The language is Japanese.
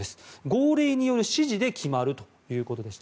号令による指示で決まるということでした。